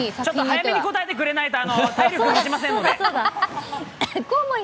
早めに答えてくれないと体力もちませんので。